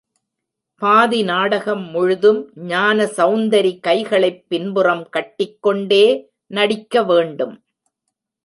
பாதி நாடகம் முழுதும் ஞானசெளந்தரி கைகளைப் பின்புறம் கட்டிக்கொண்டே நடிக்கவேண்டும்.